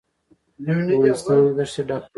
افغانستان له دښتې ډک دی.